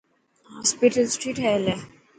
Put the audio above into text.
هاسپيٽل سٺي ٺهيل هتي.